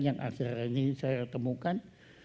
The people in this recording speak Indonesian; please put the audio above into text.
yang akhirnya ini saya temukan